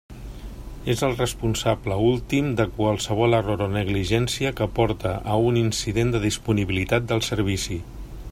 És el responsable últim de qualsevol error o negligència que porte a un incident de disponibilitat del servici.